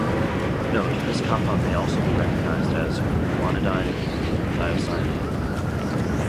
Note: this compound may also be recognized as guanidine thiocyanate.